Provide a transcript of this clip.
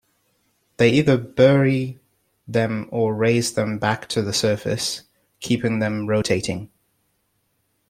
They either bury them or raise them back to the surface, keeping them rotating.